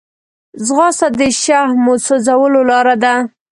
ځغاسته د شحمو سوځولو لاره ده